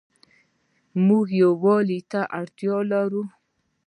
مونږ يووالي ته اړتيا لرو